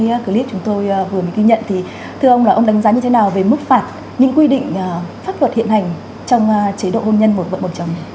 vâng ạ qua những clip chúng tôi vừa mới ghi nhận thì thưa ông là ông đánh giá như thế nào về mức phạt những quy định pháp luật hiện hành trong chế độ hôn nhân buộc vợ buộc chồng